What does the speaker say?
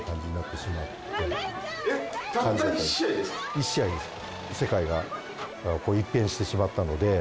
１試合です。